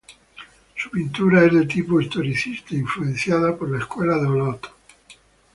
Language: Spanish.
Su pintura es de tipo historicista, influenciada por la Escuela de Olot.